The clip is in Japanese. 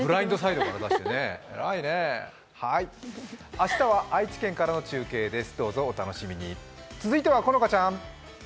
明日は愛知県からの中継です。